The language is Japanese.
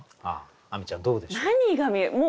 亜美ちゃんどうでしょう？